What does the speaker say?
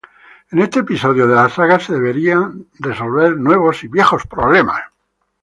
En este episodio de la saga, se deberán resolver nuevos y viejos problemas.